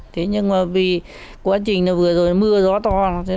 thế nhưng mà vì quá trình vừa rồi mưa gió to